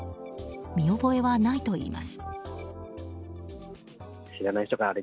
見覚えはないといいます。